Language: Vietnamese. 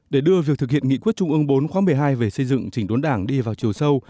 để đưa việc thực hiện nghị quyết trung ương bốn khóa một mươi hai về xây dựng chỉnh đốn đảng đi vào chiều sâu